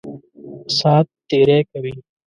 سات تېری کوي.